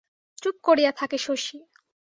চুপ করিয়া থাকে শশী।